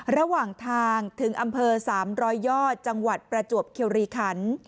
ระหว่างทางถึงอำเภอ๓๐๐ยอดจังหวัดประจวบคิวรีคัน